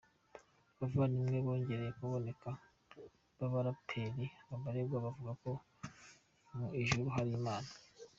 Abavandimwe bongeyeye kuboneka baperepera abregwa bavuga ko mu Ijuru hari Imana.